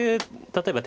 例えば。